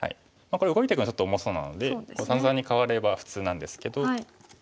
これ動いていくのはちょっと重そうなので三々に換われば普通なんですけど。